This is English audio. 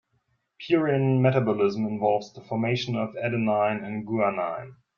Purine metabolism involves the formation of adenine and guanine.